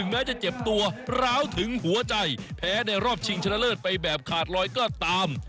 แพ้ในรอบชิงชะเลิศไปแบบขาดรอยก็ตาม